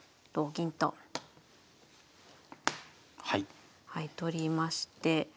はい取りまして。